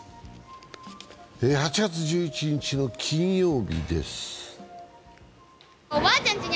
８月１１日の金曜日です。